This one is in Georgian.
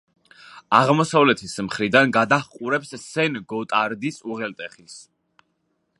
აღმოსავლეთის მხრიდან გადაჰყურებს სენ-გოტარდის უღელტეხილს.